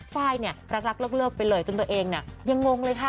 ไฟล์รักเรียบไปเลยจนตัวเองยังงงเลยค่ะ